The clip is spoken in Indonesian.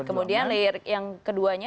kemudian yang keduanya